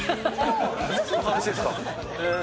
いつの話ですか。